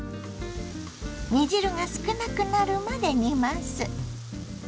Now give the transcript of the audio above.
煮汁が少なくなるまで煮ます。